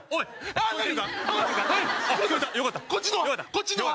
こっちのは？